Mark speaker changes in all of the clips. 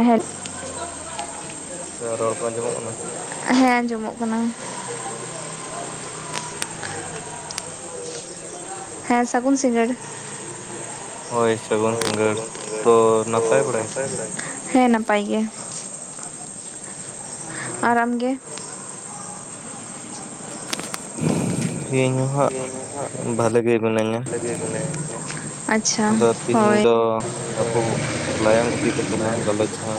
Speaker 1: ᱮᱦᱮᱥ
Speaker 2: ᱨᱚᱲ ᱠᱚ ᱟᱸᱡᱚᱢᱚᱜ ᱠᱟᱱᱟ?
Speaker 1: ᱦᱮᱸ ᱟᱸᱡᱚᱢᱚᱜ ᱠᱟᱱᱟ ᱾ ᱦᱮᱸ ᱥᱟᱹᱜᱩᱱ ᱥᱤᱸᱜᱟᱹᱲ?
Speaker 2: [inaudible] ᱦᱳᱭ ᱥᱟᱹᱜᱩᱱ ᱥᱤᱜᱟᱹᱲ, ᱛᱚ ᱱᱟᱯᱟᱭ ᱵᱟᱲᱟ ᱜᱮᱛᱚ?
Speaker 1: ᱦᱮᱸ ᱱᱟᱯᱟᱭ ᱜᱮ ᱟᱨᱟᱢ ᱜᱮ?
Speaker 2: ᱤᱧ ᱦᱚᱸ ᱦᱟᱸᱜ, ᱵᱷᱽᱟᱞᱮ ᱜᱮ ᱢᱤᱱᱟᱹᱧᱟ᱾
Speaker 1: ᱟᱪᱪᱷᱟ
Speaker 2: ᱟᱫᱚ ᱛᱮᱦᱤᱧ
Speaker 1: ᱦᱳᱭ
Speaker 2: ᱫᱚ ᱟᱵᱚ ᱞᱟᱭᱚᱝ ᱤᱫᱤ ᱠᱟᱛᱮᱫ ᱞᱟᱝ ᱜᱟᱞᱚᱪᱟ?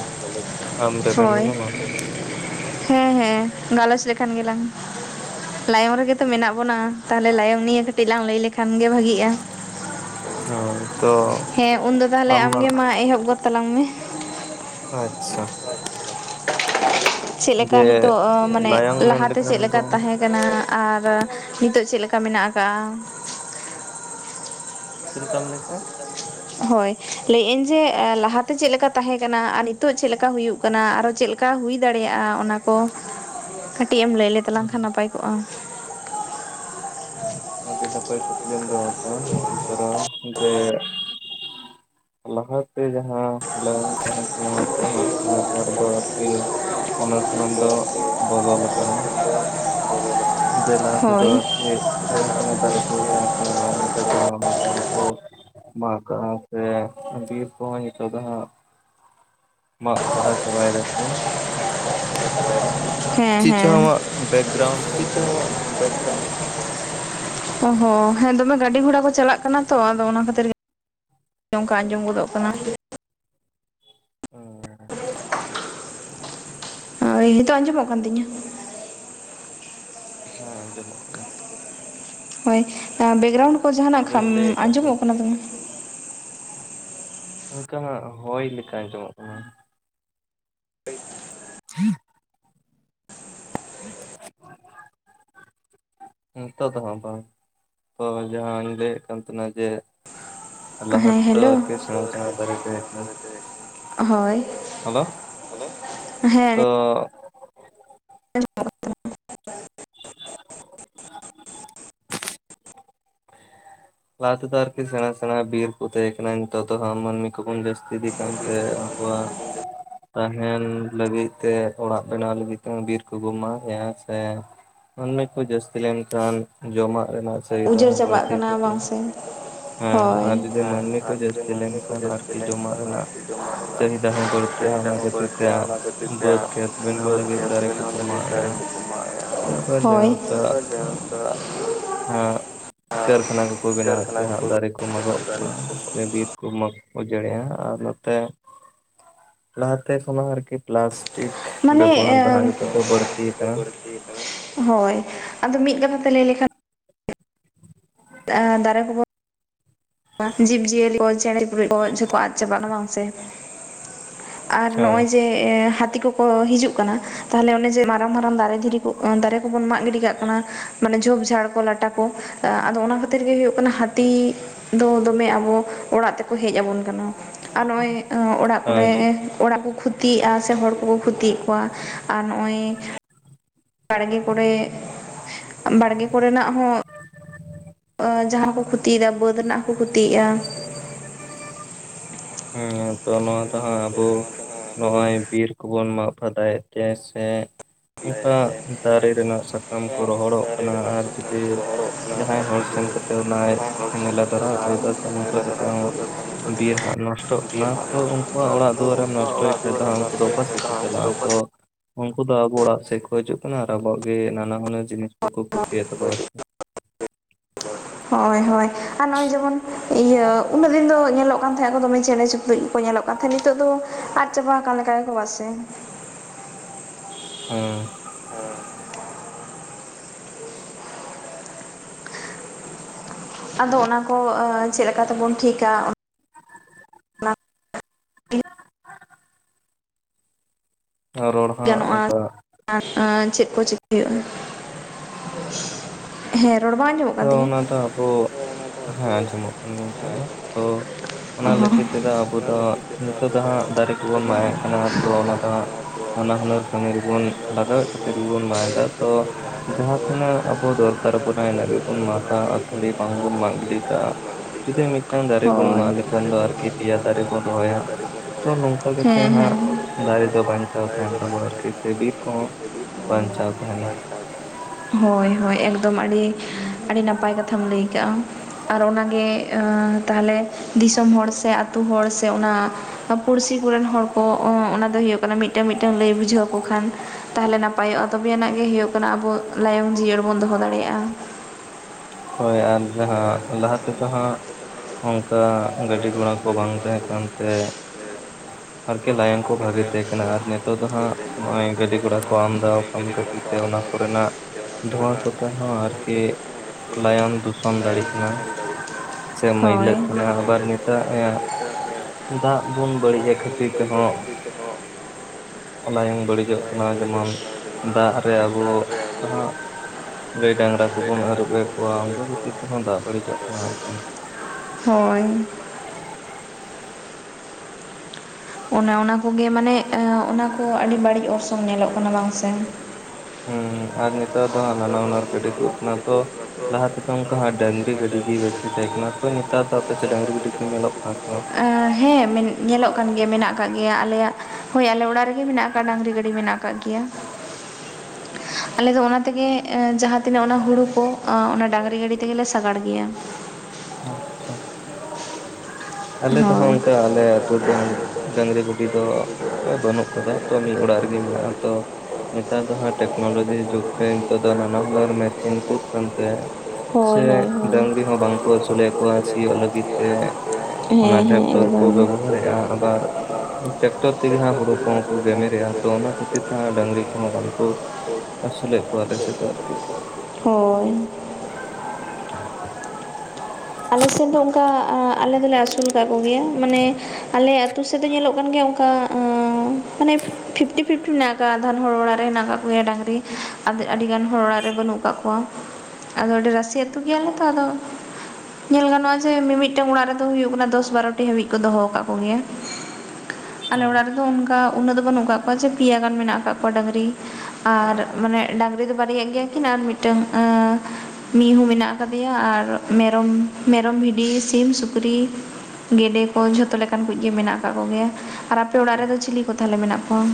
Speaker 2: ᱟᱢ ᱨᱮᱵᱮᱱ
Speaker 1: ᱦᱳᱭ,
Speaker 2: ᱢᱮᱱᱟᱢᱟ
Speaker 1: ᱦᱮᱸ ᱦᱮᱸ ᱜᱟᱞᱚᱪ ᱞᱮᱠᱷᱟᱱ ᱜᱮᱞᱟᱝ? ᱞᱟᱭᱚᱝ ᱨᱮᱜᱮᱛᱚ ᱢᱮᱱᱟᱜ ᱵᱚᱱᱟ᱾ ᱛᱟᱦᱞᱮ ᱞᱟᱭᱚᱝ ᱱᱤᱭᱮ ᱠᱟᱹᱴᱤᱡ ᱞᱟᱝ ᱞᱟᱹᱭ ᱞᱮᱠᱷᱟᱱ ᱜᱮ ᱵᱷᱟᱹᱜᱤᱜᱼᱟ ᱾
Speaker 2: ᱦᱳᱭ ᱛᱚ᱾
Speaker 1: ᱦᱮᱸ ᱩᱱᱫᱚ ᱛᱟᱦᱚᱞᱮ,
Speaker 2: ᱟᱢ ᱢᱟᱲ
Speaker 1: ᱟᱢᱜᱮ ᱢᱟ ᱮᱦᱚᱵ ᱜᱚᱫ ᱛᱟᱞᱟᱝ ᱢᱮ?
Speaker 2: ᱟᱪᱪᱷᱟ
Speaker 1: [unintelligible] ᱪᱮᱫ ᱞᱮᱠᱟ
Speaker 2: ᱡᱮ
Speaker 1: ᱱᱤᱛᱚᱜ ᱢᱟᱱᱮ,
Speaker 2: ᱞᱟᱭᱚᱝ ᱢᱮᱱ
Speaker 1: ᱞᱟᱦᱟᱛᱮ
Speaker 2: ᱞᱮᱠᱷᱟᱱ
Speaker 1: ᱪᱮᱫ
Speaker 2: ᱫᱚ
Speaker 1: ᱞᱮᱠᱟ ᱛᱟᱦᱮᱸ ᱞᱮᱱᱟ ᱟᱨ ᱱᱤᱛᱚᱜ ᱪᱮᱫ ᱞᱮᱠᱟ ᱢᱮᱱᱟᱜ ᱟᱠᱟᱜᱼᱟ?
Speaker 2: ᱪᱮᱞ ᱞᱮᱠᱟᱢ ᱞᱟᱹᱭ ᱠᱮᱜᱼᱟ?
Speaker 1: ᱦᱳᱭ ᱞᱟᱹᱭᱮᱫ ᱟᱹᱧ ᱡᱮ, ᱞᱟᱦᱟᱛᱮ ᱪᱮᱫᱞᱮᱠᱟ ᱛᱟᱦᱮᱸ ᱠᱟᱱᱟ, ᱟᱨ ᱱᱤᱛᱚᱜ ᱪᱮᱫᱞᱮᱠᱟ ᱦᱩᱭᱩᱼᱜ ᱠᱟᱱᱟ ᱾ ᱟᱨᱚ ᱪᱮᱞ ᱚᱱᱠᱟ ᱦᱩᱭ ᱫᱟᱲᱮᱭᱟᱜᱼᱟ ᱾ ᱚᱱᱟ ᱠᱚ ᱠᱟᱹᱴᱤᱡ ᱮᱢ ᱞᱟᱹᱭ ᱞᱮᱛᱟᱞᱟᱝ ᱠᱷᱟᱱ ᱱᱟᱯᱟᱭ ᱠᱚᱜᱼᱟ?
Speaker 2: ᱟᱹᱰᱤ ᱱᱟᱯᱟᱭ ᱠᱩᱯᱞᱤ ᱵᱮᱱ ᱫᱚᱦᱚᱸ ᱟᱠᱟᱜᱼᱟ ᱾ [unintelligible] ᱞᱟᱦᱟᱛᱮ ᱡᱟᱦᱟᱸ ᱞᱟᱭᱚᱝ ᱛᱟᱦᱮᱸ ᱠᱟᱱᱟ᱾ ᱛᱚ ᱦᱟᱸᱜ ᱱᱮᱛᱟᱨ ᱫᱚ ᱟᱨᱠᱤ ᱚᱱᱟ ᱠᱷᱚᱱᱟᱜ ᱫᱚ ᱵᱚᱫᱚᱞ ᱟᱠᱟᱱᱟ᱾ ᱵᱤᱫᱟᱭ ᱞᱟᱦᱟ ᱛᱮᱫᱚ
Speaker 1: ᱦᱳᱭ
Speaker 2: ᱟᱨᱠᱤ, ᱥᱮᱲᱟ - ᱥᱮᱲᱟ ᱫᱟᱨ ᱠᱚ ᱛᱟᱦᱮᱸ ᱠᱟᱱᱟ᱾ ᱟᱨ ᱱᱤᱛᱚᱜ ᱫᱚ ᱠᱚ ᱠᱚ ᱵᱟᱠᱟᱣ-ᱟ᱾ ᱥᱮ ᱵᱤᱨ ᱠᱚᱦᱚᱸ ᱱᱤᱛᱚᱜ ᱫᱚ ᱦᱟᱸᱜ ᱢᱟᱜ ᱯᱷᱟᱰᱟ ᱪᱟᱵᱟ ᱮᱫᱟ ᱠᱚ᱾
Speaker 1: ᱦᱮᱸ ᱦᱮᱸ
Speaker 2: [unintelligible] ᱵᱮᱠᱜᱨᱟᱣᱩᱱᱰ ᱦᱚᱸ ᱟᱸᱡᱚᱢᱚᱜ ᱠᱟᱱᱟ᱾
Speaker 1: ᱦᱚᱸ ᱦᱚᱸ ᱦᱮᱸ ᱫᱚᱢᱮ ᱜᱟᱹᱰᱤ ᱜᱷᱚᱲᱟ ᱠᱚ ᱪᱟᱞᱟᱜ ᱠᱟᱱᱟ ᱛᱚ ᱟᱫᱚ ᱚᱱᱟ ᱠᱷᱟᱹᱛᱤᱨ ᱜᱮ᱾ ᱱᱚᱝᱠᱟ ᱟᱸᱡᱚᱢ ᱜᱚᱫᱚᱜ ᱠᱟᱱᱟ᱾
Speaker 2: ᱚᱸᱻ
Speaker 1: ᱦᱚᱭ ᱱᱤᱛᱚᱜ ᱟᱸᱡᱚᱢᱚᱜ ᱠᱟᱱ ᱛᱤᱧᱟ?
Speaker 2: ᱦᱮᱸ ᱟᱡᱚᱢᱚᱜ ᱠᱟᱱᱟ᱾
Speaker 1: ᱦᱳᱭ ᱵᱮᱠᱜᱨᱟᱣᱩᱱᱰ ᱠᱚ ᱡᱟᱦᱟᱱᱟᱜ ᱠᱷᱟᱱ
Speaker 2: ᱟᱫᱚᱧ ᱞᱟᱹᱭᱮᱫ ᱠᱟᱱ
Speaker 1: ᱟᱸᱡᱚᱢᱚᱜ
Speaker 2: ᱛᱟᱦᱮᱱᱟ
Speaker 1: ᱠᱟᱱᱟ ᱫᱚᱢᱮ᱾
Speaker 2: ᱚᱝᱠᱟᱢᱟ ᱦᱚᱭ ᱞᱮᱠᱟ ᱟᱸᱡᱚᱢᱚᱜ ᱠᱟᱱᱟ ᱾ [unintelligible] [unintelligible] ᱱᱤᱛᱚᱜ ᱫᱚᱦᱚᱸ ᱚᱱᱛᱚ ᱛᱚ ᱡᱟᱦᱟᱸᱧ ᱞᱟᱹᱭᱮᱫ ᱠᱟᱱ ᱛᱟᱦᱮᱱᱟ ᱡᱮ ᱞᱟᱦᱟ
Speaker 1: ᱦᱮᱸ
Speaker 2: ᱛᱮᱫᱚ
Speaker 1: ᱦᱮᱞᱳ
Speaker 2: ᱟᱨᱠᱤ ᱥᱟᱱᱟ ᱥᱮᱟᱱᱟ ᱫᱟᱨᱮ ᱛᱟᱦᱮᱸ ᱠᱟᱱᱟ᱾
Speaker 1: ᱦᱳᱭ
Speaker 2: ᱦᱮᱞᱳ,
Speaker 1: ᱦᱮᱸ
Speaker 2: ᱛᱚ
Speaker 1: [unintelligible]
Speaker 2: [inaudible] ᱞᱟᱦᱟ ᱛᱮᱫᱚ ᱟᱨᱠᱤ ᱥᱮᱬᱟᱸ ᱥᱮᱬᱟᱸ ᱵᱤᱨ ᱠᱚ ᱛᱟᱦᱮᱸ ᱠᱟᱱᱟ ᱱᱮᱛᱟᱨ ᱫᱚ ᱦᱟᱸᱜ ᱢᱟᱱᱢᱤ ᱠᱚᱵᱚᱱ ᱡᱟᱹᱥᱛᱤ ᱤᱫᱤᱜ ᱠᱟᱱᱛᱮ ᱠᱚᱭᱟ ᱛᱟᱦᱮᱱ ᱞᱟᱹᱜᱤᱫ ᱛᱮ ᱚᱲᱟᱜ ᱵᱮᱱᱟᱣ ᱞᱟᱹᱜᱤᱫ ᱛᱮ ᱵᱤᱨ ᱠᱚᱠᱚ ᱢᱟᱜᱼᱟ ᱥᱮ ᱢᱟᱹᱱᱢᱤ ᱠᱚ ᱡᱟᱹᱥᱛᱤ ᱞᱮᱱᱠᱷᱟᱱ ᱡᱚᱢᱟᱜ ᱨᱮᱱᱟᱜ ᱪᱟᱦᱤᱫᱟ
Speaker 1: ᱩᱡᱟᱹᱲ
Speaker 2: ᱦᱚᱸ
Speaker 1: ᱪᱟᱵᱟᱜ
Speaker 2: ᱵᱟᱹᱲᱛᱤ
Speaker 1: ᱠᱟᱱᱟ ᱵᱟᱝ ᱥᱮ
Speaker 2: ᱦᱮᱸ
Speaker 1: ᱦᱳᱭ,
Speaker 2: ᱟᱨ ᱡᱩᱫᱤ
Speaker 1: ᱦᱮᱸ
Speaker 2: ᱢᱟᱹᱱᱢᱤ ᱠᱚ
Speaker 1: ᱟᱨ ᱡᱩᱫᱤ
Speaker 2: ᱡᱟᱹᱥᱛᱤ
Speaker 1: ᱢᱟᱹᱱᱢᱤ ᱠᱚ
Speaker 2: ᱞᱮᱱᱠᱷᱟᱱ
Speaker 1: ᱡᱟᱹᱥᱛᱤ
Speaker 2: ᱟᱨᱠᱤ ᱡᱚᱢᱟᱜ
Speaker 1: ᱞᱮᱱᱠᱷᱟᱱ ᱟᱨ
Speaker 2: ᱨᱮᱱᱟᱜ
Speaker 1: ᱠᱤ ᱡᱚᱢᱟᱜ
Speaker 2: ᱪᱟᱦᱤᱫᱟ ᱦᱚᱸ ᱵᱟᱹᱲᱛᱤᱜᱼᱟ
Speaker 1: ᱛᱮᱦᱮᱧ
Speaker 2: ᱚᱱᱟ
Speaker 1: ᱛᱟᱞᱦᱮ
Speaker 2: ᱠᱷᱟᱹᱛᱤᱨ ᱛᱮ
Speaker 1: ᱵᱟᱲᱛᱤᱼᱟ ᱚᱱᱟ ᱠᱷᱟᱹᱛᱤᱨ ᱛᱮ
Speaker 2: ᱵᱟᱹᱫᱽ
Speaker 1: ᱟᱢ
Speaker 2: ᱠᱷᱮᱛ ᱵᱮᱱᱟᱣ
Speaker 1: ᱵᱟᱹᱫ
Speaker 2: ᱞᱟᱹᱜᱤᱫ
Speaker 1: ᱠᱷᱮᱛ
Speaker 2: ᱫᱟᱨᱮ
Speaker 1: ᱵᱮᱱᱟᱣ
Speaker 2: ᱠᱚᱠᱚ ᱢᱟᱜ
Speaker 1: ᱞᱟᱹᱜᱤᱫ ᱫᱟᱨᱮ
Speaker 2: ᱮᱜᱼᱟ
Speaker 1: ᱠᱚ
Speaker 2: ᱥᱮ ᱟᱵᱟᱨ ᱡᱟᱦᱟᱸ
Speaker 1: ᱦᱳᱭ᱾
Speaker 2: ᱞᱮᱠᱟ ᱦᱟᱸᱜ ᱠᱟᱨᱠᱷᱟᱱᱟ ᱠᱚᱠᱚ ᱵᱮᱱᱟᱣ ᱮᱫ ᱡᱟᱦᱟ ᱫᱟᱨᱮ ᱠᱚ ᱢᱟᱜᱚᱜ ᱠᱟᱱᱟ ᱥᱮ ᱵᱤᱨ ᱠᱚ ᱡᱟᱹᱜᱽ ᱩᱡᱟᱲᱮᱜᱼᱟ ᱟᱨ ᱱᱚᱛᱮ ᱞᱟᱦᱟᱛᱮ ᱠᱷᱚᱱᱟᱜ ᱟᱨᱠᱤ ᱯᱞᱟᱥᱴᱤᱠ
Speaker 1: ᱢᱟᱱᱮ
Speaker 2: ᱵᱮᱵᱚᱦᱟᱨ ᱫᱚ ᱦᱟᱸᱜ ᱱᱤᱛᱚᱜ ᱫᱚ ᱵᱟᱹᱲᱛᱭ ᱟᱠᱟᱱᱟ᱾
Speaker 1: ᱦᱳᱭ ᱟᱫᱚ ᱢᱤᱫ ᱠᱟᱛᱷᱟ ᱛᱮ ᱞᱟᱹᱭ ᱞᱮᱠᱷᱟᱱ ᱟᱨ ᱫᱟᱨᱮ ᱠᱚ ᱵᱚ ᱡᱤᱵᱽᱼᱡᱤᱭᱟᱹᱞᱤ ᱠᱚ ᱪᱮᱬᱮ ᱪᱤᱯᱨᱩᱡ ᱠᱚ ᱡᱷᱚᱛᱚ ᱟᱫ ᱪᱟᱵᱟᱜ ᱠᱟᱱᱟ ᱵᱟᱝ ᱥᱮ᱾ ᱟᱨ
Speaker 2: ᱦᱳᱭ
Speaker 1: ᱱᱚᱜᱼᱚᱭ ᱡᱮ ᱦᱟᱹᱛᱤ ᱠᱚ ᱠᱚ ᱦᱤᱡᱩᱜ ᱠᱟᱱᱟ ᱛᱟᱦᱚᱞᱮ ᱚᱱᱮ ᱡᱮ ᱢᱟᱨᱟᱝ ᱢᱟᱨᱟᱝ ᱫᱟᱨᱮ ᱫᱷᱤᱨᱤ ᱠᱚ ᱫᱟᱨᱮ ᱠᱚᱵᱚᱱ ᱢᱟᱜ ᱜᱤᱰᱤ ᱠᱟᱜ ᱠᱟᱱᱟ᱾ ᱢᱟᱱᱮ ᱡᱷᱚᱯ ᱡᱷᱟᱲ ᱠᱚ ᱞᱟᱴᱟ ᱠᱚ ᱟᱫᱚ ᱚᱱᱟ ᱠᱷᱟᱹᱛᱤᱨ ᱜᱮ ᱦᱩᱭᱩᱜ ᱠᱟᱱᱟ ᱦᱟᱹᱛᱤ ᱫᱚ ᱫᱚᱢᱮ ᱟᱵᱚ ᱚᱲᱟᱜ ᱛᱮᱠᱚ ᱦᱮᱡ ᱟᱵᱚᱱ ᱠᱟᱱᱟ᱾ ᱟᱨ ᱱᱚᱜᱼᱚᱭ ᱚᱲᱟᱜ ᱠᱚᱨᱮ
Speaker 2: ᱦᱮᱸ
Speaker 1: ᱚᱲᱟᱜ ᱠᱚ ᱠᱷᱛᱤ ᱠᱷᱚᱛᱤᱭᱮᱜᱼᱟ ᱥᱮ ᱦᱚᱲ ᱠᱚᱠᱚ ᱠᱷᱚᱛᱤᱭᱮᱫ ᱠᱚᱣᱟ ᱟᱨ ᱱᱚᱜᱼᱚᱭ ᱵᱟᱲᱜᱮ ᱠᱚᱨᱮᱜ ᱵᱟᱲᱜᱮ ᱠᱚᱨᱮᱱᱟᱜ ᱦᱚᱸ ᱡᱟᱦᱟᱸ ᱠᱚ ᱠᱷᱚ ᱛᱤ ᱫᱟ ᱵᱟᱹᱫᱽ ᱨᱮᱱᱟᱜ ᱦᱚᱸ ᱠᱚ ᱠᱷᱚᱛᱤᱭᱜᱼᱟ᱾
Speaker 2: ᱦᱮᱸ ᱛᱚ ᱱᱚᱣᱟ ᱫᱚ ᱦᱟᱸᱜ ᱟᱵᱚ ᱱᱚᱜᱼᱚᱭ ᱵᱤᱨ ᱠᱚ ᱵᱚᱱ ᱢᱟᱜ ᱯᱷᱟᱫᱟᱭᱮᱫ ᱛᱮ ᱥᱮ ᱚᱱᱠᱟ ᱫᱟᱨᱮ ᱨᱮᱱᱟᱜ ᱥᱟᱠᱟᱢ ᱠᱚ ᱨᱚᱦᱚᱲᱚᱜ ᱠᱟᱱᱟ ᱟᱨ ᱡᱩᱫᱤ ᱡᱟᱦᱟᱸᱭ ᱦᱚᱲ ᱥᱮᱱ ᱠᱟᱛ ᱛᱮ ᱚᱱᱟ ᱥᱮᱸᱜᱞᱮ ᱫᱷᱚᱨᱟ ᱦᱚᱴᱭᱟᱫᱟ ᱛᱚ ᱱᱚᱝᱠᱟ ᱠᱟᱛᱮ ᱦᱚᱸ ᱵᱤᱨ ᱦᱟᱸᱜ ᱱᱚᱥᱴᱚ ᱛᱚ ᱚᱱᱟ ᱛᱚ ᱩᱱᱠᱩᱣᱟᱜ ᱚᱲᱟᱜ ᱫᱩᱣᱟᱹᱨᱮᱢ ᱱᱚᱥᱴᱚᱭ ᱠᱷᱟᱡ ᱫᱚ ᱦᱟᱸᱜ ᱩᱱᱠᱩ ᱫᱚ ᱚᱠᱟ ᱥᱮᱫ ᱠᱚ ᱪᱟᱞᱟᱜᱼᱟ ᱛᱚ ᱩᱱᱠᱩ ᱫᱚ ᱟᱵᱚ ᱚᱲᱟᱜ ᱥᱮᱫ ᱠᱚ ᱦᱤᱡᱩᱜ ᱠᱟᱱᱟ ᱟᱨ ᱟᱵᱚᱣᱟᱜ ᱜᱮ ᱱᱟᱱᱟᱦᱩᱱᱟᱹᱨ ᱡᱤᱱᱤᱥ ᱠᱩᱠᱩ ᱠᱚ ᱠᱷᱚᱛᱤᱭᱮᱫ ᱛᱟᱵᱚ ᱟᱨᱠᱤ᱾
Speaker 1: ᱦᱳᱭ ᱦᱳᱭ ᱟᱨ ᱱᱚᱜᱼᱚᱭ ᱡᱮᱢᱚᱱ ᱤᱭᱟᱹ ᱩᱱᱟᱹᱜ ᱫᱤᱱ ᱫᱚ ᱧᱮᱞᱚᱜ ᱠᱟᱱ ᱛᱟᱦᱮᱸᱫ ᱠᱚ ᱫᱚᱢᱮ ᱪᱮᱬᱮ ᱪᱩᱯᱲᱩᱡ ᱠᱚᱠᱚ ᱧᱮᱞᱚᱜ ᱠᱟᱱ ᱱᱤᱛᱚᱜ ᱫᱚ ᱟᱫ ᱪᱟᱵᱟ ᱦᱟᱠᱟᱱ ᱞᱮᱠᱟ ᱜᱮᱠᱚ ᱵᱟ ᱥᱮ?
Speaker 2: ᱦᱩᱸ᱾
Speaker 1: ᱦᱟᱸ ᱾ ᱟᱫᱚ ᱚᱱᱟ ᱠᱚ ᱚᱸ ᱪᱮᱫ ᱞᱮᱠᱟ ᱛᱮᱵᱚᱱ ᱴᱷᱤᱠᱼᱟ, ᱚ-
Speaker 2: ᱨᱚᱲ ᱦᱟᱸᱜ ᱚᱸᱠᱟ᱾
Speaker 1: ᱟᱨ ᱟᱸ ᱪᱮᱫ ᱠᱚ ᱪᱤᱠᱟᱹ ᱦᱩᱭᱩᱜᱼᱟ? ᱦᱮᱸ ᱨᱚᱲ ᱵᱟᱝ ᱟᱸᱡᱚᱢᱚᱜ
Speaker 2: ᱛᱚ
Speaker 1: ᱠᱟᱱ ᱛᱤᱧᱟᱹ?
Speaker 2: ᱚᱱᱟ ᱫᱚ ᱟᱵᱚ ᱦᱮᱸ ᱟᱸᱡᱚᱢᱚᱜ ᱠᱟᱱ ᱜᱮᱭᱟ ᱱᱤᱛᱚᱜ ᱫᱚ, ᱛᱚ
Speaker 1: ᱚ
Speaker 2: ᱚᱱᱟ ᱞᱟᱹᱜᱤᱫ
Speaker 1: ᱦᱚᱸ
Speaker 2: ᱛᱮᱫᱚ ᱟᱵᱚ ᱫᱚ ᱱᱤᱛᱚᱜ ᱫᱚ ᱦᱟᱸᱜ ᱫᱟᱨᱮ ᱠᱚᱵᱚᱱ ᱢᱟᱜ-ᱮᱫ ᱠᱟᱱᱟ ᱛᱚ ᱚᱱᱟ ᱫᱚ ᱦᱟᱸᱜ ᱦᱚᱱᱟ ᱦᱩᱱᱟᱹᱨ ᱠᱟᱹᱢᱤ ᱨᱮᱵᱚᱱ ᱞᱟᱜᱟᱣᱮᱫ ᱠᱷᱟᱹᱛᱤᱨ ᱜᱮᱵᱚᱱ ᱢᱟᱜ-ᱮᱫᱟ, ᱛᱚ ᱡᱟᱦᱟᱸ ᱛᱤᱱᱟᱹᱜ ᱟᱵᱚ ᱫᱚᱨᱠᱟᱨ ᱟᱵᱚᱱᱟ ᱤᱱᱟᱹᱜ ᱜᱮ ᱢᱟᱜᱼᱟ, ᱟᱹᱛᱷᱟᱹᱲᱤ ᱵᱟᱝ ᱵᱚᱱ ᱢᱟᱜ ᱜᱤᱰᱤ ᱠᱟᱜᱼᱟ, ᱡᱩᱫᱤ ᱢᱤᱫᱴᱟᱝ ᱫᱟᱨᱮ ᱵᱚᱱ
Speaker 1: ᱢᱤᱫᱴᱟᱝ
Speaker 2: ᱢᱟᱜ ᱞᱮᱠᱷᱟᱱ ᱫᱚ ᱟᱨᱠᱤ ᱯᱮᱭᱟ ᱫᱟᱨᱮ ᱵᱚᱱ ᱨᱚᱦᱚᱭᱟ ᱦᱟᱸᱜ, ᱛᱚ ᱱᱚᱝᱠᱟ ᱠᱟᱛᱮ
Speaker 1: ᱞᱮᱠᱷᱟᱱ
Speaker 2: ᱦᱟᱸᱜ ᱫᱟᱨᱮ ᱫᱚ ᱵᱟᱧᱪᱟᱣ ᱛᱟᱦᱮᱸᱱ ᱛᱟᱵᱚ ᱟᱨᱠᱤ ᱥᱮ ᱵᱤᱨ ᱠᱚᱦᱚᱸ ᱵᱟᱧᱪᱟᱣ ᱛᱟᱦᱮᱸᱱᱟ᱾
Speaker 1: ᱦᱳᱭ ᱦᱳᱭ ᱮᱠᱫᱚᱢ ᱟᱹᱰᱤ, ᱟᱹᱰᱤ ᱱᱟᱯᱟᱭ ᱠᱟᱛᱷᱟᱢ ᱞᱟᱹᱭ ᱠᱟᱜᱼᱟ ᱟᱨ ᱚᱱᱟᱜᱮ ᱮᱸ ᱟᱸ ᱛᱟᱦᱮᱞᱮ ᱫᱤᱥᱚᱢ ᱦᱚᱲ ᱥᱮ ᱟᱹᱛᱩ ᱦᱚᱲ ᱥᱮ ᱚᱱᱟ ᱟᱹ ᱯᱩᱲᱥᱤ ᱠᱚᱨᱮᱱ ᱦᱚᱲ ᱠᱚ ᱳᱸ ᱚᱱᱟ ᱫᱚ ᱦᱩᱭᱩᱜ ᱠᱟᱱᱟ ᱢᱤᱫᱴᱟᱹᱝ ᱢᱤᱫᱴᱟᱹᱝ ᱞᱟᱹᱭ ᱵᱩᱡᱷᱟᱹᱣ ᱣᱟᱠᱚ ᱠᱷᱟᱱ ᱛᱟᱦᱚᱞᱮ ᱱᱟᱯᱟᱭᱚᱜᱼᱟ, ᱛᱚᱵᱮ ᱟᱱᱟᱜ ᱜᱮ ᱦᱩᱭᱩᱜ ᱠᱟᱱᱟ ᱟᱵᱚ ᱞᱟᱭᱚᱝ ᱡᱤᱭᱟᱹᱲ ᱵᱚᱱ ᱫᱚᱦᱚ ᱫᱟᱲᱮᱭᱟᱜᱼᱟ᱾
Speaker 2: ᱦᱳᱭ ᱟᱨ ᱡᱟᱦᱟᱸ ᱞᱟᱦᱟ ᱛᱮᱫᱚ ᱦᱟᱸᱜ ᱚᱸᱠᱟ ᱜᱟᱹᱰᱤ ᱜᱷᱚᱬᱟ ᱠᱚ ᱵᱟᱝ ᱛᱟᱦᱮᱸ ᱠᱟᱱ ᱛᱮ ᱟᱨᱠᱤ ᱞᱟᱭᱚᱝ ᱠᱚ ᱵᱷᱟᱜᱮ ᱛᱟᱦᱮᱸ ᱠᱟᱱᱟ ᱟᱨ ᱱᱤᱛᱚᱜ ᱫᱚ ᱦᱟᱸᱜ ᱱᱚᱜᱼᱚᱭ ᱜᱟᱹᱰᱤ ᱜᱷᱚᱲᱟ ᱠᱚ ᱟᱢᱫᱟᱣᱟᱠᱟᱱ ᱠᱟᱹᱴᱤᱡ ᱛᱮ ᱚᱱᱟ ᱠᱚᱨᱮᱱᱟᱜ ᱫᱷᱩᱣᱟᱺ ᱠᱚᱛᱮ ᱦᱚᱸ ᱟᱨᱠᱤ ᱞᱟᱭᱚᱱ ᱫᱩᱥᱚᱱ ᱫᱟᱲᱤᱜ ᱠᱟᱱᱟ, ᱥᱮ
Speaker 1: ᱦᱳᱭ
Speaker 2: ᱢᱟᱹᱭᱞᱟᱹᱜ ᱠᱟᱱᱟ, ᱟᱹᱵᱟᱨ ᱱᱤᱛᱟᱨ ᱮᱸ ᱫᱟᱜ ᱵᱚᱱ ᱵᱟᱹᱲᱤᱡᱮᱜ ᱠᱷᱟᱹᱛᱤᱨ ᱛᱮᱦᱚᱸ ᱞᱟᱭᱚᱝ ᱵᱟᱹᱲᱤᱡᱚᱜ ᱠᱟᱱᱟ, ᱡᱮᱢᱚᱱ ᱫᱟᱜ ᱨᱮ ᱟᱵᱚ ᱡᱟᱦᱟᱸ ᱜᱟᱹᱭ ᱰᱟᱺᱜᱽᱨᱟ ᱠᱚᱵᱚᱱ ᱟᱹᱨᱩᱵ ᱣᱮᱵ ᱠᱚᱣᱟ ᱚᱸᱠᱟ ᱠᱷᱟᱹᱛᱤᱨ ᱛᱮᱦᱚᱸ ᱫᱟᱜ ᱵᱟᱹᱰᱤᱡᱚᱜ ᱠᱟᱱᱟ ᱟᱨᱠᱤ᱾
Speaker 1: ᱦᱳᱭ᱾ ᱚᱱᱟ ᱚᱱᱟ ᱠᱚᱜᱮ ᱢᱟᱱᱮᱜ ᱮᱸ ᱚᱱᱟ ᱠᱚ ᱟᱹᱰᱤ ᱵᱟᱹᱲᱤᱡ ᱚᱨᱥᱚᱝ ᱧᱮᱞᱚᱜ ᱠᱟᱱᱟ ᱵᱟᱝ ᱥᱮ᱾
Speaker 2: ᱦᱩᱸ ᱦᱩᱸ ᱟᱨ ᱱᱤᱛ
Speaker 1: [unintelligible]
Speaker 2: ᱞᱟᱦᱟ ᱛᱮᱫᱚ ᱚᱱᱠᱟ ᱦᱟᱸᱜ ᱰᱟᱹᱝᱨᱤ ᱜᱟᱹᱰᱤ ᱜᱮ ᱵᱮᱥᱤ ᱛᱟᱦᱮᱸ ᱠᱟᱱᱟ ᱛᱚ ᱱᱮᱛᱟᱨ ᱫᱚ ᱟᱯᱮ ᱥᱮᱫ ᱰᱟᱹᱝᱨᱤ ᱜᱟᱹᱰᱤ ᱠᱚ ᱧᱮᱞᱚᱜ ᱠᱟᱱᱟ ᱥᱮ ᱵᱟᱝ?
Speaker 1: [unintelligible] ᱟᱸ, ᱦᱮᱸ ᱢᱮᱱ ᱧᱮᱞᱚᱜ ᱠᱟᱱ ᱜᱮᱭᱟ ᱢᱮᱱᱟᱜ ᱟᱠᱟᱫ ᱧᱮᱞᱚᱜ ᱠᱟᱱ ᱜᱮᱭᱟ, ᱢᱮᱱᱟᱜ ᱠᱟᱜ ᱜᱮᱭᱟ, ᱟᱞᱮᱭᱟᱜ ᱦᱳᱭ ᱟᱞᱮ ᱚᱲᱟᱜ ᱨᱮᱜᱮ ᱢᱮᱱᱟᱜ ᱟᱠᱟᱜ ᱰᱟᱺᱜᱽᱨᱤ ᱜᱟᱹᱰᱤ ᱢᱮᱱᱟᱜ ᱟᱠᱟᱜ ᱜᱮᱭᱟ᱾
Speaker 2: [inaudible]
Speaker 1: ᱟᱞᱮ ᱫᱚ ᱚᱱᱟ ᱛᱮᱜᱮᱸᱼᱜ ᱡᱟᱦᱟᱸ ᱛᱤᱱᱟᱹᱜ ᱚᱱᱟ ᱦᱩᱲᱩ ᱠᱚ ᱚᱸ ᱚᱱᱟ ᱰᱟᱺᱜᱽᱨᱤ ᱜᱟᱹᱰᱤ ᱛᱮᱜᱮ ᱞᱮ ᱥᱟᱜᱟᱲ ᱜᱮᱭᱟ᱾
Speaker 2: [inaudible]
Speaker 1: ᱦᱳᱭ
Speaker 2: ᱟᱞᱮ ᱫᱚ ᱦᱚᱝ ᱚᱸᱠᱟ ᱟᱞᱮ ᱟᱹᱛᱩ ᱫᱚᱢ ᱰᱟᱺᱜᱽᱨᱤ ᱜᱩᱰᱤ ᱫᱚ ᱳᱭ ᱵᱟᱹᱱᱩᱜ ᱠᱳᱫᱳ ᱛᱚ ᱢᱤᱫ ᱚᱲᱟᱜ ᱨᱮᱜᱮ ᱢᱮᱱᱟᱜ-ᱟ᱾ ᱛᱚ ᱱᱮᱛᱟᱨ ᱫᱚ ᱦᱟᱸᱜ ᱴᱮᱠᱱᱳᱞᱚᱡᱤ ᱡᱩᱜᱽ ᱨᱮ ᱱᱤᱛᱚᱜ ᱫᱚ ᱱᱟᱱᱟ-ᱦᱩᱱᱟᱹᱨ ᱢᱮᱥᱤᱱ ᱛᱩᱫ ᱠᱟᱱ ᱛᱮ ᱥᱮ
Speaker 1: ᱦᱳᱭ ᱦᱳᱭ ᱦᱳᱭ
Speaker 2: ᱰᱟᱺᱜᱽᱨᱤ ᱦᱚᱸ ᱵᱟᱝᱠᱚ ᱟᱹᱥᱩᱞᱮᱫ ᱠᱚᱣᱟ ᱥᱤᱭᱳᱜ ᱞᱟᱹᱜᱤᱫ ᱛᱮ᱾ ᱚᱱᱟ
Speaker 1: ᱦᱮᱸ ᱦᱮᱸ
Speaker 2: ᱴᱨᱟᱠᱴᱚᱨ ᱠᱚ
Speaker 1: ᱮᱠᱫᱚᱢ
Speaker 2: ᱵᱮᱵᱷᱚᱨᱮᱜᱼᱟ, ᱟᱵᱟᱨ ᱴᱮᱠᱴᱚᱨ ᱛᱮᱜᱮ ᱦᱟᱸᱜ ᱦᱩᱲᱩ ᱠᱚᱦᱚᱸ ᱠᱚ ᱜᱮᱢᱮᱨᱮᱜᱼᱟ, ᱛᱚ ᱚᱱᱟ ᱠᱷᱟᱹᱛᱤᱨ ᱛᱮ ᱦᱟᱸᱜ ᱰᱟᱺᱜᱽᱨᱤ ᱠᱚᱦᱚᱸ ᱵᱟᱝ ᱠᱚ ᱟᱥᱩᱞᱮᱜ ᱠᱚᱣᱟ ᱞᱮ ᱟᱞᱮ ᱥᱮᱫ ᱫᱚ ᱟᱨᱠᱤ᱾
Speaker 1: ᱦᱳᱭ᱾ ᱟᱞᱮᱥᱮᱫ ᱫᱚ ᱚᱱᱠᱟ ᱟ ᱟᱞᱮ ᱫᱚᱞᱮ ᱟᱹᱥᱩᱞ ᱟᱠᱟᱫ ᱠᱚᱜᱮᱭᱟ᱾ ᱢᱟᱱᱮ ᱟᱞᱮ ᱟᱛᱩ ᱥᱮᱫ ᱫᱚ ᱧᱮᱞᱚᱜ ᱠᱟᱱ ᱜᱮᱭᱟ ᱚᱱᱠᱟ
Speaker 2: [inaudible]
Speaker 1: ᱢᱟᱱᱮ ᱯᱷᱤᱯᱴᱤ ᱯᱷᱤᱯᱴᱤ ᱢᱮᱱᱟᱜ ᱠᱜ-ᱟ ᱟᱫᱷᱟᱱ ᱦᱚᱲ ᱚᱲᱟᱜ ᱨᱮ ᱦᱮᱱᱟᱜ ᱟᱠᱟᱫ ᱠᱚ ᱜᱮᱭᱟ ᱰᱟᱝᱨᱤ᱾ ᱟᱫᱚ ᱟᱹᱰᱤᱜᱟᱱ ᱦᱚᱲ ᱚᱲᱟᱜ ᱨᱮ ᱵᱟᱹᱱᱩᱜ ᱠᱟᱜ ᱠᱚᱣᱟ᱾ ᱟᱫᱚ ᱟᱹᱰᱤ ᱨᱟᱥᱤ ᱟᱹᱛᱩ ᱜᱮᱭᱟ ᱞᱮ ᱛᱚ ᱟᱫᱚ ᱧᱮᱞ ᱜᱟᱱᱚᱜᱼᱟ ᱡᱮ ᱢᱤᱼᱢᱤᱫᱴᱟᱝ ᱚᱲᱟᱜ ᱨᱮᱫᱚ ᱦᱩᱭᱩᱜ ᱠᱟᱱᱟ ᱫᱚᱥ ᱵᱟᱨᱚᱴᱤ ᱦᱟᱹᱵᱤᱡ ᱠᱚ ᱫᱚᱦᱚ ᱟᱠᱟᱜ ᱠᱚᱜᱮᱭᱟ᱾ ᱟᱞᱮ
Speaker 2: ᱦᱮᱸ
Speaker 1: ᱚᱲᱟᱜ ᱨᱮᱫᱚ ᱚᱱᱠᱟ ᱩᱱᱟᱹᱜ ᱫᱚ ᱵᱟᱹᱱᱩᱜ ᱠᱟᱜ ᱠᱚᱣᱟ ᱡᱮ ᱯᱮᱭᱟ ᱜᱟᱱ ᱢᱮᱱᱟᱜ ᱟᱠᱟᱫ ᱠᱚᱣᱟ ᱰᱟᱹᱝᱨᱤ᱾ ᱟᱨ ᱢᱟᱱᱮ ᱰᱟᱝᱨᱤ ᱫᱚ ᱵᱟᱨᱭᱟᱜ ᱜᱮᱭᱟ ᱠᱤᱱ ᱟᱨ ᱢᱤᱫᱴᱟᱱ ᱟ ᱢᱤᱦᱩ ᱢᱮᱱᱟᱜ ᱟᱠᱟᱫᱮᱭᱟ ᱟᱨ ᱢᱮᱨᱚᱢ, ᱢᱮᱨᱚᱢ, ᱵᱷᱤᱰᱤ, ᱥᱤᱢ, ᱥᱩᱠᱨᱤ᱾ ᱜᱮᱰᱮ ᱠᱚ ᱡᱷᱚᱛᱚ ᱞᱮᱠᱟᱱ ᱠᱩᱡᱽ ᱜᱮ ᱢᱮᱱᱟᱜ ᱟᱠᱟᱫ ᱠᱚᱜᱮᱭᱟ ᱟᱨ ᱟᱯᱮ ᱚᱲᱟᱜ ᱨᱮᱫᱚ ᱪᱤᱞᱤ ᱠᱚ ᱛᱟᱦᱞᱮ ᱢᱮᱱᱟᱜ ᱠᱚᱣᱟ?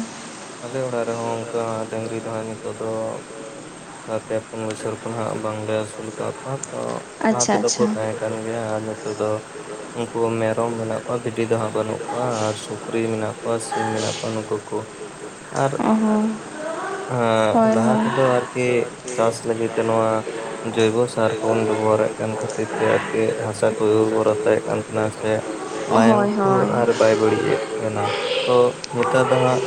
Speaker 2: ᱟᱞᱮ ᱚᱲᱟᱜ ᱨᱮᱦᱚᱸ ᱚᱱᱠᱟ ᱰᱟᱹᱝᱨᱤ ᱫᱚ ᱦᱟᱸᱜ ᱦᱟᱸᱜ ᱱᱤᱛᱚᱜ ᱫᱚ ᱚᱱᱠᱟ ᱯᱮ ᱯᱩᱱ ᱵᱚᱪᱷᱚᱨ ᱠᱷᱚᱱ ᱦᱟᱸᱜ ᱵᱟᱝᱞᱮ ᱟᱹᱥᱩᱞ ᱟᱠᱟᱫ ᱠᱚᱣᱟ ᱛᱚ, ᱞᱟᱦᱟ
Speaker 1: ᱟᱪᱪᱷᱟ
Speaker 2: ᱛᱮᱫᱚ ᱠᱚ
Speaker 1: ᱟᱪᱪᱷᱟ
Speaker 2: ᱛᱟᱦᱮᱸ ᱠᱟᱱᱟ᱾ ᱠᱟᱱ ᱜᱮᱭᱟ ᱟᱨ ᱱᱤᱛᱚᱜ ᱫᱚ ᱩᱱᱠᱩ ᱢᱮᱨᱚᱢ ᱢᱮᱱᱟᱜ ᱠᱚᱣᱟ, ᱵᱷᱤᱰᱤ ᱫᱚ ᱦᱟᱸᱜ ᱵᱟᱹᱱᱩᱜ ᱠᱚᱣᱟ ᱟᱨ ᱥᱩᱠᱨᱤ ᱢᱮᱱᱟᱜ ᱠᱚᱣᱟ, ᱥᱤᱢ ᱢᱮᱱᱟᱜ ᱠᱚᱣᱟ, ᱱᱩᱠᱩ ᱠᱚ᱾
Speaker 1: ᱚ ᱦᱚᱸ᱾ ᱦᱳᱭ ᱦᱳᱭ ᱟᱫᱚ ᱟᱨᱠᱤ ᱪᱟᱥ ᱠᱟᱹᱢᱤ ᱠᱚᱢᱟ ᱡᱚᱭᱵᱚ ᱥᱟᱨ ᱵᱚᱱ ᱵᱮᱵᱚᱦᱟᱨᱮᱫ ᱠᱟᱱᱟ ᱡᱮ ᱟᱨᱠᱤ ᱦᱟᱥᱟ ᱠᱚ
Speaker 2: ᱦᱮᱸ ᱞᱟᱦᱟ ᱛᱮᱫᱚ ᱟᱨᱠᱤ ᱪᱟᱥ ᱞᱟᱹᱜᱤᱫ ᱛᱮ ᱱᱚᱣᱟ ᱡᱚᱭᱵᱚ ᱥᱟᱨ ᱠᱚᱵᱚᱱ ᱵᱮᱵᱚᱦᱟᱨᱮᱫ ᱠᱟᱱ ᱠᱷᱟᱹᱛᱤᱨ ᱛᱮ ᱟᱨᱠᱤ ᱦᱟᱥ ᱠᱚᱭ ᱩᱨᱵᱚᱨᱚᱛᱟᱭᱮᱫ ᱠᱟᱱ ᱛᱟᱦᱮᱱᱟ ᱥᱮ ᱞᱟᱭᱚᱝ
Speaker 1: ᱦᱳᱭ
Speaker 2: ᱠᱚ
Speaker 1: ᱦᱳᱭ
Speaker 2: ᱟᱨ ᱵᱟᱭ ᱵᱟᱹᱲᱤᱡ ᱮᱫ ᱛᱟᱦᱱᱟ ᱛᱚ ᱱᱮᱛᱟᱨ ᱫᱚ ᱦᱟᱸᱜ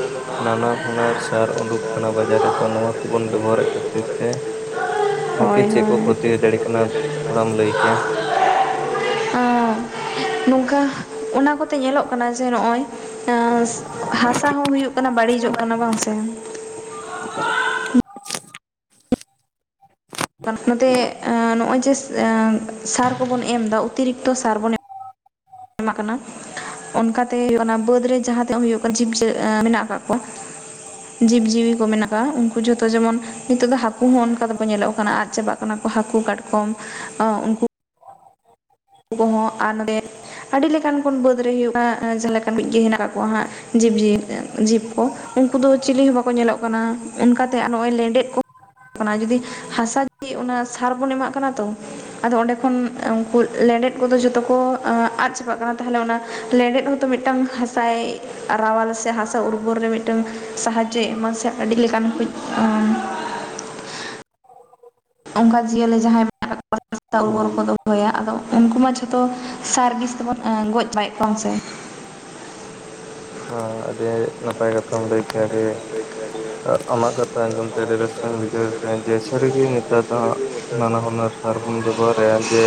Speaker 2: ᱱᱟᱱᱟ ᱦᱩᱱᱟᱹᱨ ᱥᱟᱨ ᱩᱰᱩᱠ ᱠᱟᱱᱟ ᱵᱟᱡᱟᱨ ᱨᱮᱛᱚ ᱱᱚᱣᱟ ᱠᱚᱵᱚᱱ ᱵᱮᱵᱚᱦᱟᱨᱮᱫ ᱠᱷᱟᱹᱛᱤᱨ ᱛᱮ ᱟᱨᱠᱤ
Speaker 1: ᱦᱳᱭ
Speaker 2: ᱪᱮᱫ ᱠᱚ
Speaker 1: ᱦᱳᱭ
Speaker 2: ᱠᱚᱛᱤ ᱦᱩᱭ ᱫᱟᱲᱮᱜ ᱠᱟᱱᱟ ᱛᱷᱚᱲᱟᱢ ᱞᱟᱹᱭ ᱠᱮᱭᱟ?
Speaker 1: ᱚ ᱱᱚᱝᱠᱟ ᱚᱱᱟ ᱠᱚᱛᱮ ᱧᱮᱞᱚᱜ ᱠᱟᱱᱟ ᱡᱮ ᱱᱚᱜᱼᱚᱭ ᱚᱸ ᱦᱟᱥᱟ ᱦᱚᱸ ᱦᱩᱭᱩᱜ ᱠᱟᱱᱟ ᱵᱟᱹᱲᱤᱡᱚᱜ ᱠᱟᱱᱟ ᱵᱟᱝ ᱥᱮ᱾
Speaker 2: [inaudible]
Speaker 1: ᱱᱚᱛᱮ ᱮᱸ ᱱᱚᱜᱼᱚᱭ ᱡᱮ ᱮᱸ ᱥᱟᱨ ᱠᱚᱵᱚᱱ ᱮᱢ ᱮᱫᱟ ᱚᱛᱤᱨᱤᱠᱛᱚ ᱥᱟᱨ ᱵᱚᱱ ᱮᱢ ᱮᱢᱟᱜ ᱠᱟᱱᱟ᱾ ᱚᱱᱠᱟᱛᱮ ᱦᱚᱭᱩᱜ ᱠᱟᱱᱟ ᱵᱟᱹᱫᱽ ᱨᱮ ᱡᱟᱦᱟᱸ ᱛᱤᱱᱟᱹᱜ ᱦᱩᱭᱩᱜ ᱠᱟᱱᱟ ᱡᱤᱵᱽ ᱡᱮ ᱮᱸ ᱢᱮᱱᱟᱜ ᱠᱟᱜ ᱠᱚᱚᱣᱟ᱾ ᱡᱤᱵᱽᱼᱡᱤᱣᱤ ᱠᱚ ᱢᱮᱱᱟᱜ ᱠᱟ-ᱟ᱾ ᱩᱱᱠᱩ ᱡᱷᱚᱛᱚ ᱡᱮᱢᱚᱱ ᱱᱤᱛᱳᱜ ᱫᱚ ᱦᱟᱹᱠᱩ ᱦᱚᱸ ᱚᱱᱠᱟ ᱫᱚᱠᱚ ᱧᱮᱞᱚᱜ ᱠᱟᱱᱟ ᱟᱫ ᱪᱟᱵᱟᱜ ᱠᱟᱱᱟ ᱠᱚ ᱦᱟᱹᱠᱩ ᱠᱟᱴᱠᱚᱢ ᱟ ᱩᱱᱠᱩ ᱠᱚᱦᱚᱸ ᱟᱨ ᱱᱚᱰᱮ ᱟᱹᱰᱤ ᱞᱮᱠᱟᱱ ᱠᱚᱱ ᱵᱟᱹᱫᱽ ᱨᱮ ᱦᱩᱭᱩᱜᱼᱟ ᱮᱸ ᱡᱟᱦᱟᱸ ᱞᱮᱠᱟ ᱠᱤᱡᱽ ᱜᱮ ᱦᱮᱱᱟᱜ ᱠᱟᱜ ᱠᱚᱣᱟ ᱦᱟᱸᱜ᱾ ᱡᱤᱵᱽ ᱡᱤᱣᱤ ᱛᱮᱫ ᱡᱤᱵᱽ ᱠᱚ᱾ ᱩᱱᱠᱩ ᱫᱚ ᱪᱤᱞᱤ ᱦᱚᱸ ᱵᱟᱠᱚ ᱧᱮᱞᱚᱜ ᱠᱟᱱᱟ᱾ ᱚᱱᱠᱟᱛᱮ ᱟᱨ ᱱᱚᱜᱼᱚᱭ ᱞᱮᱸᱰᱮᱫ ᱠᱚ ᱚᱱᱟ ᱡᱩᱫᱤ ᱦᱟᱥᱟ ᱡᱮ ᱚᱱᱟ ᱥᱟᱨ ᱵᱚᱱ ᱮᱢᱟᱜ ᱠᱟᱱᱟ ᱛᱚ ᱟᱫᱚ ᱚᱸᱰᱮ ᱠᱷᱚᱱ ᱩᱱᱠᱩ ᱞᱮᱸᱰᱮᱫ ᱠᱚᱫᱚ ᱡᱚᱛᱚ ᱠᱚ ᱟᱫ ᱪᱟᱵᱟᱜ ᱠᱟᱱᱟ ᱛᱟᱦᱚᱞᱮ ᱚᱱᱟ ᱞᱮᱸᱰᱮᱫ ᱦᱚᱸᱛᱚ ᱢᱤᱫᱴᱟᱝ ᱦᱟᱸᱥᱟᱭ ᱨᱟᱣᱟᱞᱟ ᱥᱮ ᱦᱟᱥᱟ ᱩᱨᱵᱚᱨ ᱨᱮ ᱢᱤᱫᱴᱟᱹᱝ ᱥᱟᱦᱟᱡᱚ ᱮᱢᱟ ᱥᱮ ᱟᱹᱰᱤ ᱞᱮᱠᱟᱱ ᱠᱩᱡ ᱚᱸ-ᱼ ᱚᱱᱠᱟ ᱡᱤᱭᱟᱹᱞᱤ ᱡᱟᱦᱟᱸᱭ ᱢᱮᱱᱟᱜ [inaudible] ᱩᱨᱵᱚᱨ
Speaker 2: ᱦᱮᱸ
Speaker 1: ᱠᱚᱫᱚ ᱫᱚᱦᱚᱭᱟ ᱟᱫᱚ ᱩᱱᱠᱩ ᱢᱟ ᱡᱷᱚᱛᱚ ᱥᱟᱨ ᱵᱤᱥ ᱛᱮᱵᱚᱱ ᱮᱸ ᱜᱚᱡᱽ ᱪᱟᱵᱟᱭᱮᱫ ᱠᱚᱣᱟ ᱦᱮᱸ ᱥᱮ᱾
Speaker 2: ᱦᱚᱸ ᱟᱹᱰᱤ ᱱᱟᱯᱟᱭ ᱠᱟᱛᱷᱟᱢ ᱞᱟᱹᱭ ᱠᱮᱭᱟ ᱟᱰᱹᱰᱤ ᱟᱸ ᱟᱢᱟᱜ ᱠᱟᱛᱷᱟ ᱟᱸᱡᱚᱢ ᱛᱮ ᱟᱹᱰᱤ ᱨᱟᱹᱥᱠᱟᱹᱧ ᱵᱩᱡᱷᱟᱹᱣ ᱠᱮᱫᱟ ᱡᱮ ᱥᱟᱹᱨᱤᱜᱮ ᱱᱮᱛᱟᱨ ᱫᱚ ᱦᱟᱸᱜ ᱱᱟᱱᱟ ᱦᱩᱱᱟᱹᱨ ᱥᱟᱨ ᱵᱚᱱ ᱵᱮᱵᱚᱦᱟᱨᱮ-ᱟ ᱡᱮ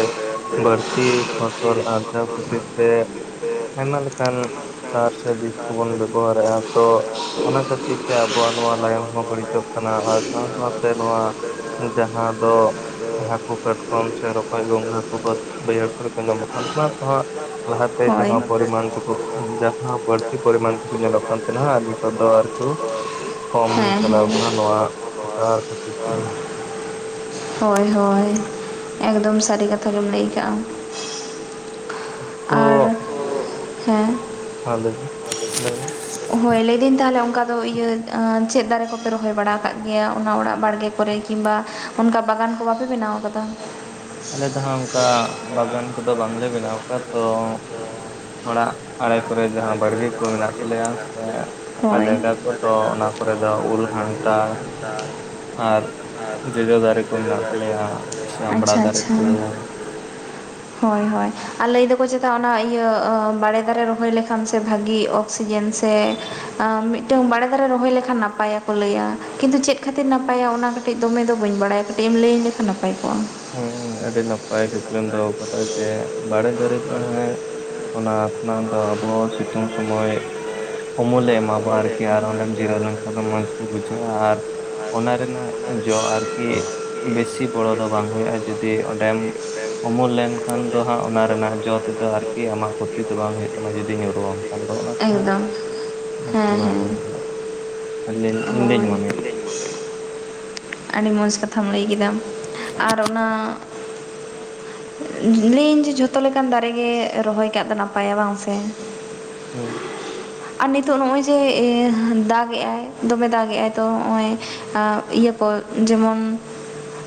Speaker 2: ᱵᱟᱹᱲᱛᱤ ᱯᱷᱚᱥᱚᱞ ᱟᱨ ᱪᱟᱣ ᱠᱷᱟᱹᱛᱤᱨ ᱛᱮ ᱟᱭᱢᱟ ᱞᱮᱠᱟᱱ ᱪᱟᱥ ᱠᱚᱵᱚᱱ ᱵᱮᱵᱚᱦᱟᱨᱮᱼᱟ ᱛᱚ ᱚᱱᱟ ᱠᱷᱟᱹᱛᱤᱨ ᱛᱮ ᱟᱵᱚᱣᱟᱜ ᱱᱚᱣᱟ ᱞᱟᱭᱚᱝ ᱦᱚᱸ ᱵᱟᱹᱲᱤᱡᱚᱜ ᱠᱟᱱᱟ, ᱟᱨ ᱥᱟᱶ ᱥᱟᱶᱛᱮ ᱱᱚᱣᱟ ᱡᱟᱦᱟᱸ ᱫᱚ ᱦᱟᱹᱠᱩ, ᱠᱟᱴᱠᱚᱢ ᱥᱮ ᱨᱚᱠᱚᱡᱽ, ᱜᱚᱸᱜᱟ ᱠᱚ ᱵᱟᱹᱫ ᱵᱟᱹᱭᱦᱟᱹᱲ ᱠᱚᱨᱮ ᱠᱚ ᱧᱟᱢᱚᱜ ᱠᱟᱱ ᱛᱟᱦᱮᱸᱱᱟ ᱛᱚ ᱦᱟᱹᱜ ᱞᱟᱦᱟᱛᱮ
Speaker 1: ᱦᱳᱭ
Speaker 2: ᱡᱟᱦᱟᱸ ᱯᱚᱨᱤᱢᱟᱱ ᱴᱩᱠᱩ ᱡᱟᱦᱟᱸ ᱵᱟᱹᱲᱛᱤ ᱯᱚᱨᱤᱢᱟᱱ ᱴᱩᱠᱩ ᱧᱮᱞᱚᱜ ᱠᱟᱱ ᱛᱟᱸᱦᱮᱱᱟ ᱟᱨ ᱱᱤᱛᱚᱜ ᱫᱚ ᱟᱨᱠᱤ ᱠᱚᱢ
Speaker 1: ᱦᱮᱸ
Speaker 2: ᱪᱟᱞᱟᱣ
Speaker 1: ᱦᱮᱸ
Speaker 2: ᱠᱟᱱᱟ, ᱱᱚᱣᱟ ᱰᱟᱦᱟᱨ ᱠᱷᱟᱹᱛᱤᱨ ᱛᱮᱜᱮ᱾
Speaker 1: ᱦᱳᱭ ᱦᱳᱭ ᱮᱠᱫᱚᱢ ᱥᱟᱹᱨᱤ ᱠᱟᱛᱷᱟ ᱜᱮᱢ ᱞᱟᱹᱭ ᱠᱟᱜ-ᱟ᱾ [inaudible] ᱟᱨ
Speaker 2: ᱛᱚ
Speaker 1: ᱦᱮᱸ
Speaker 2: ᱦᱮᱸ ᱞᱟᱹᱭ ᱵᱤᱱ ᱞᱟᱹᱭ ᱢᱮ ᱾
Speaker 1: ᱦᱳᱭ ᱞᱟᱹᱭ ᱤᱫᱟᱹᱧ ᱛᱟᱦᱚᱞᱮ ᱚᱱᱠᱟ ᱫᱚ ᱤᱭᱟᱹ ᱟᱸ ᱪᱮᱫ ᱫᱟᱨᱮ ᱠᱚᱯᱮ ᱨᱚᱦᱚᱭ ᱵᱟᱲᱟ ᱟᱠᱟᱜ ᱜᱮᱭᱟ ᱚᱱᱟ ᱚᱲᱟᱜ ᱵᱟᱲᱜᱮ ᱠᱚᱨᱮ? ᱠᱤᱝᱵᱟ ᱚᱱᱠᱟ ᱵᱟᱜᱟᱱ ᱠᱚ ᱵᱟᱯᱮ ᱵᱮᱱᱟᱣ ᱟᱠᱟᱫᱟ?
Speaker 2: ᱟᱞᱮ ᱫᱚ ᱦᱟᱸᱜ ᱚᱱᱠᱟ ᱵᱟᱜᱟᱱ ᱠᱚᱫᱚ ᱵᱟᱝᱞᱮ ᱵᱮᱱᱟᱣ, [unintelligible] ᱛᱚ [inaudible] ᱚᱲᱟᱜ ᱟᱲᱮ ᱠᱚᱨᱮ ᱡᱟᱦᱟᱸ ᱵᱟᱲᱜᱮ ᱠᱚ ᱢᱮᱱᱟᱜ ᱛᱟᱞᱮᱭᱟ ᱚᱱᱠᱟ
Speaker 1: ᱦᱳᱭ
Speaker 2: ᱡᱟᱭᱜᱟ ᱠᱚ ᱛᱚ ᱚᱱᱟ ᱠᱚᱨᱮ ᱫᱚ ᱩᱞ, ᱠᱟᱱᱴᱷᱟᱲ ᱟᱨ ᱡᱚᱡᱚ ᱫᱟᱨᱮ ᱠᱚ ᱢᱮᱱᱟᱜ ᱛᱟᱞᱮᱭᱟ ᱥᱮ ᱟᱢᱲᱟ
Speaker 1: ᱟᱪᱪᱷᱟ
Speaker 2: ᱫᱟᱨᱮ
Speaker 1: ᱟᱪᱪᱷᱟ
Speaker 2: ᱠᱚ᱾
Speaker 1: [inaudible] ᱦᱳᱭ ᱦᱳᱭ ᱟᱨ ᱞᱟᱹᱭ ᱫᱚᱠᱚ ᱪᱮᱛᱟ ᱚᱱᱟ ᱤᱭᱟᱹ ᱵᱟᱲᱮ ᱫᱟᱨᱮ ᱨᱚᱦᱚᱭ ᱞᱮ ᱠᱷᱟᱱ ᱥᱮ ᱵᱷᱟᱜᱤ ᱚᱠᱥᱤᱡᱮᱱ ᱥᱮ ᱢᱤᱫᱴᱟᱹᱝ ᱵᱟᱲᱮ ᱫᱟᱨᱮ ᱨᱚᱦᱚᱭ ᱞᱮᱠᱷᱟᱱ ᱱᱟᱯᱟᱭᱟ ᱠᱚ ᱞᱟᱹᱭᱟ ᱾ ᱠᱤᱱᱛᱩ ᱪᱮᱫ ᱠᱷᱟᱹᱛᱤᱨ ᱱᱟᱯᱟᱭᱟ ᱚᱱᱟ ᱠᱟᱹᱴᱤᱡ ᱫᱚᱢᱮ ᱫᱚ ᱵᱟᱹᱧ ᱵᱟᱲᱟᱭᱟ ᱠᱟᱹᱴᱤᱡ ᱮᱢ ᱞᱟᱹᱭ ᱟᱹᱧ ᱞᱮᱠᱷᱟᱱ ᱱᱟᱯᱟᱭ ᱠᱚᱜ-ᱟ ᱾
Speaker 2: ᱦᱮᱸ ᱦᱮᱸ ᱟᱹᱰᱤ ᱱᱟᱯᱟᱭ ᱠᱩᱠᱞᱤᱢ ᱫᱚᱦᱚ ᱟᱠᱟᱫᱟ᱾ ᱡᱮ ᱵᱟᱲᱮ ᱫᱟᱨᱮ ᱛᱚ ᱦᱮᱸ [inaudible] ᱚᱱᱟ ᱠᱷᱚᱱᱟᱜ ᱫᱚ ᱟᱵᱚ ᱥᱤᱛᱩᱝ ᱥᱚᱢᱚᱭ ᱩᱢᱩᱞᱮ ᱮᱢᱟᱵᱚ ᱟᱨᱠᱤ ᱟᱨ ᱚᱸᱰᱮᱢ ᱡᱤᱨᱟᱹᱣ ᱞᱮᱱᱠᱷᱟᱱ ᱫᱚ ᱢᱚᱡᱽ ᱜᱮ ᱵᱩᱡᱷᱟᱹᱜ-ᱟ, ᱟᱨ ᱚᱱᱟ ᱨᱮᱱᱟᱜ ᱡᱚ ᱟᱨᱠᱤ ᱵᱮᱥᱤ ᱵᱚᱲᱚ ᱫᱚ ᱵᱟᱝ ᱦᱩᱭᱩᱜ-ᱟ ᱾ ᱡᱩᱫᱤ ᱚᱸᱰᱮᱢ ᱩᱢᱩᱞ ᱞᱮᱱᱠᱷᱟᱱ ᱫᱚ ᱦᱟᱸᱜ ᱚᱱᱟ ᱨᱮᱱᱟᱜ ᱡᱚ ᱛᱮᱫᱚ ᱟᱨᱠᱤ ᱟᱢᱟᱜ ᱠᱷᱩᱛᱤ ᱫᱚ ᱵᱟᱝ ᱦᱩᱭᱩᱜ ᱛᱟᱢᱟ ᱡᱩᱫᱤ
Speaker 1: ᱮᱠᱫᱚᱢ ᱦᱮᱸ ᱦᱮᱸ ᱦᱳᱭ
Speaker 2: ᱧᱩᱨᱩ ᱟᱢ ᱠᱷᱟᱱ ᱫᱚ ᱚᱱᱟᱛᱮ
Speaker 1: ᱢᱚᱱᱮᱭᱟ ᱟᱹᱰᱤ
Speaker 2: ᱦᱟᱸᱜ
Speaker 1: ᱢᱚᱡᱽ
Speaker 2: ᱟᱨᱠᱤ ᱵᱷᱟᱞᱮ ᱦᱩᱭᱩᱜ-ᱟ ᱟᱫᱚ ᱤᱧᱫᱩᱧ ᱢᱚᱱᱮᱭᱮᱫ᱾
Speaker 1: [inaudible] ᱟᱹᱰᱤ ᱢᱚᱡᱽ ᱠᱟᱛᱷᱟᱢ ᱞᱟᱹᱭ ᱠᱮᱫᱟᱢ ᱟᱨ ᱚᱱᱟ [inaudible] ᱞᱟᱹᱭ ᱤᱧ ᱡᱮ ᱡᱷᱚᱛᱚ ᱞᱮᱠᱟᱱ ᱫᱟᱨᱮ ᱜᱮ ᱨᱚᱦᱚᱭ ᱠᱟᱜ ᱫᱚ ᱱᱟᱯᱟᱭᱟ ᱵᱟᱝ ᱥᱮ᱾
Speaker 2: ᱦᱩᱸ ᱾
Speaker 1: ᱟᱨ ᱱᱤᱛᱳᱜ ᱱᱚᱜ-ᱚᱭ ᱡᱮ ᱫᱟᱜ ᱮᱜ-ᱟᱭ ᱫᱚᱢᱮ ᱫᱟᱜ ᱮᱜ-ᱟᱭ, ᱛᱚ ᱱᱚᱜ-ᱚᱭ ᱟᱸ ᱤᱭᱟᱹ ᱠᱚ ᱡᱮᱢᱚᱱ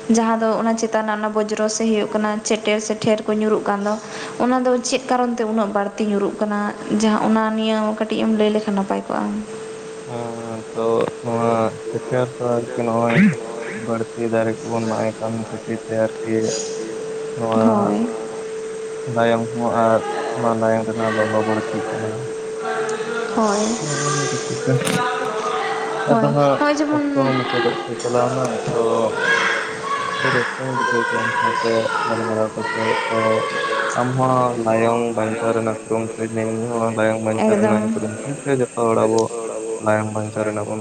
Speaker 1: ᱡᱟᱦᱟᱸ ᱫᱚ ᱚᱱᱟ ᱪᱮᱛᱟᱱ ᱨᱮᱱᱟᱜ ᱚᱱᱟ ᱵᱚᱡᱽᱨᱚ ᱥᱮ ᱦᱩᱭᱩᱜ ᱠᱟᱱᱟ ᱪᱮᱴᱮᱨ ᱥᱮ ᱴᱷᱮᱨ ᱠᱚ ᱧᱩᱨᱩᱜ ᱠᱟᱱ ᱫᱚ ᱚᱱᱟ ᱫᱚ ᱪᱮᱫ ᱠᱟᱨᱚᱱ ᱛᱮ ᱩᱱᱟᱹᱜ ᱵᱟᱹᱲᱛᱤ ᱧᱩᱨᱩᱜ ᱠᱟᱱᱟ? ᱡᱟᱦᱟᱸ ᱚᱱᱟ ᱱᱤᱭᱟᱹ ᱠᱟᱹᱴᱤᱡ ᱮᱢ ᱞᱟᱹᱭ ᱞᱮᱠᱷᱟᱱ ᱱᱟᱯᱟᱭ ᱠᱚᱜ-ᱟ ᱾
Speaker 2: ᱦᱮᱸ ᱦᱮᱸ ᱛᱚ ᱱᱚᱣᱟ ᱪᱮᱠᱟ ᱛᱚ ᱟᱨᱠᱤ ᱱᱚᱜ-ᱚᱭ ᱵᱟᱹᱲᱛᱤ ᱫᱟᱨᱮ ᱠᱚ ᱵᱚᱱ ᱢᱟᱜ-ᱮᱜ ᱠᱟᱱ ᱠᱷᱟᱹᱛᱤᱨ ᱛᱮ ᱟᱨᱠᱤ ᱱᱚᱣᱟᱻ
Speaker 1: ᱦᱳᱭ
Speaker 2: [inaudible] ᱞᱟᱭᱚᱝ ᱦᱚᱸ ᱟᱨ ᱚᱱᱟ ᱞᱟᱭᱚᱝ ᱨᱮᱱᱟᱜ ᱞᱚᱞᱚ ᱵᱟᱹᱲᱛᱤᱜ ᱠᱟᱱᱟ ᱾
Speaker 1: ᱦᱳᱭ
Speaker 2: ᱱᱚᱜ [unintelligible]
Speaker 1: ᱦᱳᱭ
Speaker 2: ᱟᱫᱚ ᱦᱟᱸᱜ
Speaker 1: ᱱᱚᱜᱼᱚᱭ ᱡᱮᱢᱚᱱ
Speaker 2: ᱚᱠᱛᱚ ᱦᱚᱸ ᱢᱩᱪᱟᱹᱫᱚᱜ ᱪᱟᱞᱟᱣ ᱮᱱᱟ ᱛᱚ ᱟᱰᱤ ᱨᱟᱹᱥᱠᱟ‍ᱹᱧ ᱵᱩᱡᱷᱟᱹᱣ ᱠᱮᱫᱟ ᱟᱢ ᱥᱟᱶᱛᱮ ᱜᱟᱞᱢᱟᱨᱟᱣ ᱠᱟᱛᱮᱜ, ᱛᱚ ᱟᱢ ᱦᱚᱸ ᱞᱟᱭᱚᱝ ᱵᱚᱝᱪᱟᱣ ᱨᱮᱱᱟᱜ ᱠᱩᱨᱩ ᱢᱩᱴᱩᱭ ᱢᱮ ᱤᱧ ᱦᱚᱸ ᱞᱟᱭᱚᱝ ᱵᱧᱪᱟᱣ ᱨᱮᱱᱟᱜ ᱤᱧ ᱠᱩᱨᱩ ᱢᱩᱴᱩᱭᱟ ᱾ ᱡᱷᱚᱛᱚ ᱦᱚᱲ ᱟᱵᱚ ᱞᱟᱭᱚᱝ ᱵᱟᱧᱪᱟᱣ ᱨᱮᱱᱟᱜ ᱵᱚᱱ